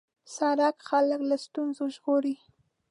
سړک خلک له ستونزو ژغوري.